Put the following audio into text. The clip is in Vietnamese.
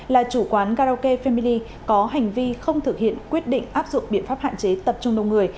là chủ quán karaoke family có hành vi không thực hiện quyết định áp dụng biện pháp hạn chế tập trung đông người